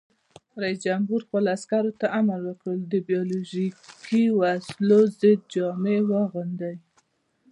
رئیس جمهور خپلو عسکرو ته امر وکړ؛ د بیولوژیکي وسلو ضد جامې واغوندئ!